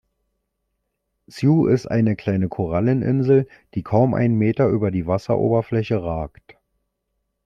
Sue ist eine kleine Koralleninsel, die kaum einen Meter über die Wasseroberfläche ragt.